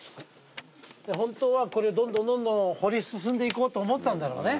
本当はこれどんどんどんどん掘り進んでいこうと思ってたんだろうね。